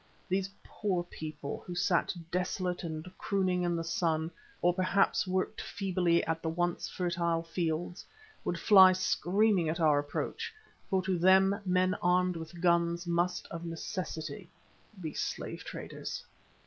These poor people, who sat desolate and crooning in the sun, or perhaps worked feebly at the once fertile fields, would fly screaming at our approach, for to them men armed with guns must of necessity be slave traders.